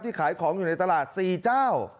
ขายของอยู่ในตลาด๔เจ้า